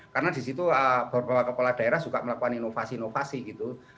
karena di situ beberapa kepala daerah suka melakukan inovasi inovasi gitu